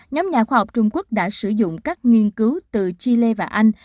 nhóm nhà khoa học trung quốc đã sử dụng các nghiên cứu từ chile và anh